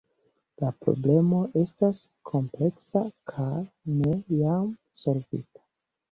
La problemo estas kompleksa kaj ne jam solvita.